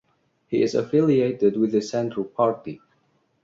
He is affiliated with the Centre Party.